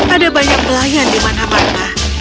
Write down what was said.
ada banyak nelayan di manapun